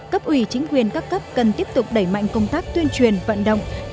cấp ủy chính quyền các cấp cần tiếp tục đẩy mạnh công tác tuyên truyền vận động